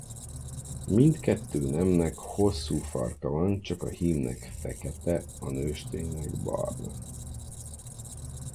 Mind kettő nemnek hosszú farka van csak a hímnek fekete a nősténynek barna.